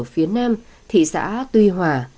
phía nam thị xã tuy hòa